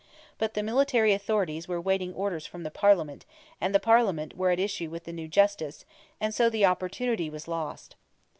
But the military authorities were waiting orders from the Parliament, and the Parliament were at issue with the new Justice, and so the opportunity was lost.